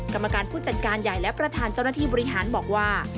กรรมการผู้จัดการใหญ่และประธานเจ้าหน้าที่บริหารบอกว่า